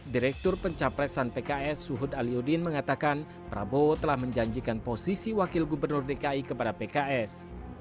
direktur pencapresan pks suhud aliodin mengatakan prabowo telah menjanjikan posisi wakil gubernur dki kepada pks